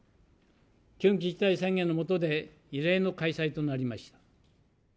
緊急事態宣言の下で異例の開催となりました。